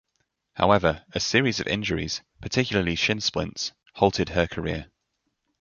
However, a series of injuries, particularly shin splints, halted her career.